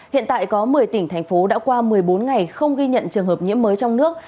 hiện tại có một mươi tỉnh thành phố đã qua một mươi bốn ngày không ghi nhận trường hợp nhiễm mới trong nước